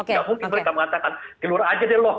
nggak mungkin mereka mengatakan keluar aja deh loh